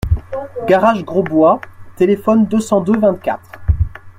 Garage Grosbois, téléphone deux cent deux-vingt-quatre.